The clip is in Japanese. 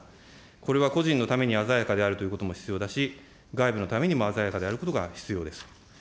これは個人のために鮮やかであるということも必要だし、外部のためにも鮮やかであることが必要です。